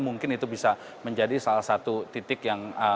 mungkin itu bisa menjadi salah satu titik yang